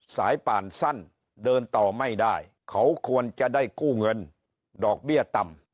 ป่านสั้นเดินต่อไม่ได้เขาควรจะได้กู้เงินดอกเบี้ยต่ำ